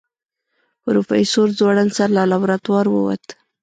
پروفيسر ځوړند سر له لابراتواره ووت.